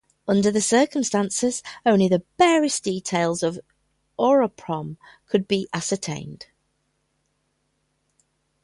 Under the circumstances, only the barest details of Oropom could be ascertained.